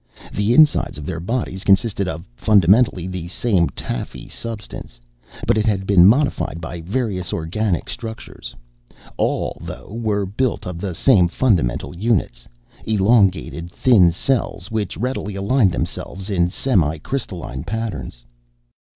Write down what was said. The insides of their bodies consisted of fundamentally the same taffy substance; but it had been modified by various organic structures. All, though, were built of the same fundamental units: elongated, thin cells which readily aligned themselves in semi crystalline patterns.